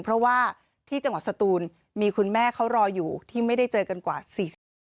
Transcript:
เพราะว่าที่จังหวัดสตูนมีคุณแม่เขารออยู่ที่ไม่ได้เจอกันกว่า๔๐คน